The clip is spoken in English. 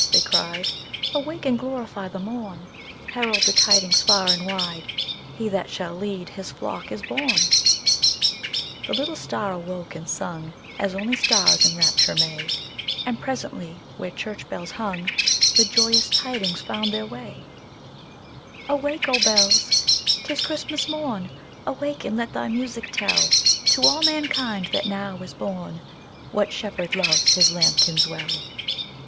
they cried. "Awake and glorify the morn! Herald the tidings far and wide He that shall lead His flock is born!" The little star awoke and sung As only stars in rapture may, And presently where church bells hung The joyous tidings found their way. [Illustration: Share thou this holy time with me, The universal hymn of love. ] "Awake, O bells! 't is Christmas morn Awake and let thy music tell To all mankind that now is born What Shepherd loves His lambkins well!"